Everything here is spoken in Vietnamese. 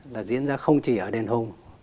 là diễn ra không chỉ ở đền hùng